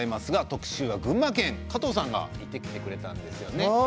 特集は群馬県加藤さんが行ってきてくれたんですよね。